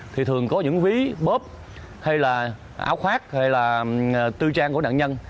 thì thường có những ví bơm hay là áo khoác hay là tư trang của nạn nhân